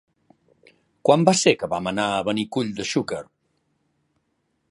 Quan va ser que vam anar a Benicull de Xúquer?